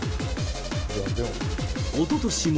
おととしも、